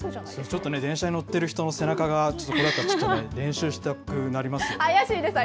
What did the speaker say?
ちょっとね、電車に乗っている人の背中がちょっとこれだったら、ちょっとね、練習したくなりますよね。